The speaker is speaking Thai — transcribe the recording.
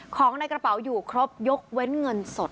ของในกระเป๋าอยู่ครบยกเว้นเงินสด